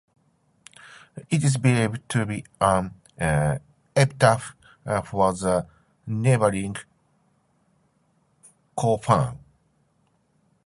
It is believed to be an epitaph for the neighboring "kofun".